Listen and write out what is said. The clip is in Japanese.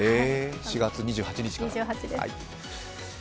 ４月２８日から。